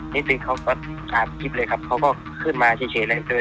นิตยุเขาก็อ่านคลิปเลยครับเขาก็ขึ้นมาเฉยเฉยเลย